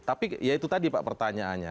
tapi ya itu tadi pak pertanyaannya